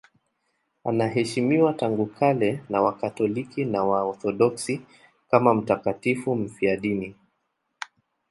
Anaheshimiwa tangu kale na Wakatoliki na Waorthodoksi kama mtakatifu mfiadini.